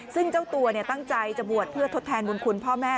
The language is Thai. ซึ่งเจ้าตัวตั้งใจจะบวชเพื่อทดแทนบุญคุณพ่อแม่